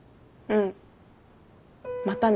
うん。